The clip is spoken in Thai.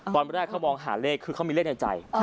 ตอนแรกเขามองหาเลขคือเขามีเลขในใจ